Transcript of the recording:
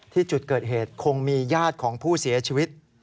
ที่จุดเกิดเหตุคงมีญาติของผู้เสียชีวิต